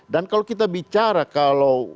kalau kita bicara kalau